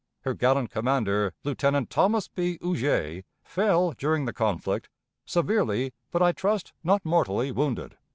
Her gallant commander, Lieutenant Thomas B. Huger, fell during the conflict, severely, but I trust not mortally, wounded."